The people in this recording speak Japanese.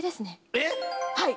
えっ！